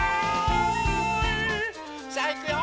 さあいくよ！